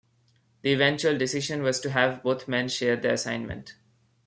The eventual decision was to have both men share the assignment.